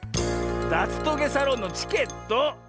だつトゲサロンのチケット！